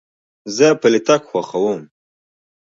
زه پلي تګ خوښوم.